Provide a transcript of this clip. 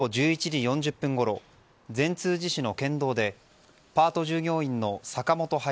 昨日午後１１時４０分ごろ善通寺市の県道でパート従業員の坂本早